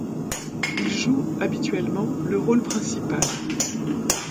Il joue, habituellement, le rôle principal.